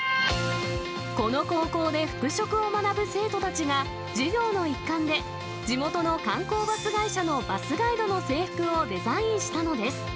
この高校で服飾を学ぶ生徒たちが、授業の一環で、地元の観光バス会社のバスガイドの制服をデザインしたのです。